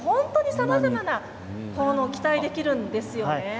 さまざまな効能が期待できるんですよね。